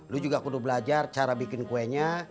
lu juga perlu belajar cara bikin kuenya